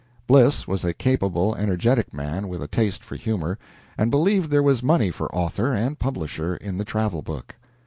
Bliss was a capable, energetic man, with a taste for humor, and believed there was money for author and publisher in the travel book.